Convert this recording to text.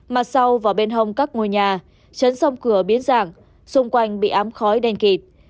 mặt sau và bên hông các ngôi nhà chấn sông cửa biến dạng xung quanh bị ám khói đen kịt